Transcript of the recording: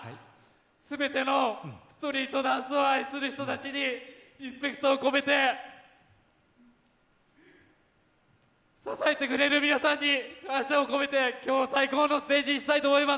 全てのストリートダンスを愛する人たちにリスペクトを込めて支えてくれる皆さんに感謝を込めて今日は最高のステージにしたいと思います。